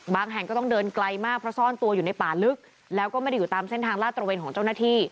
แห่งก็ต้องเดินไกลมากเพราะซ่อนตัวอยู่ในป่าลึกแล้วก็ไม่ได้อยู่ตามเส้นทางลาดตระเวนของเจ้าหน้าที่